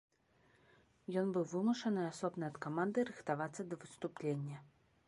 Ён быў вымушаны асобна ад каманды рыхтавацца да выступлення.